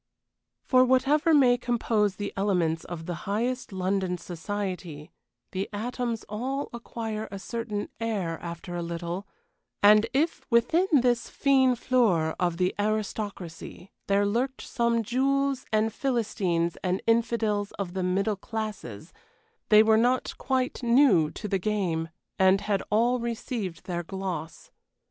For whatever may compose the elements of the highest London society, the atoms all acquire a certain air after a little, and if within this fine fleur of the aristocracy there lurked some Jews and Philistines and infidels of the middle classes, they were not quite new to the game, and had all received their gloss.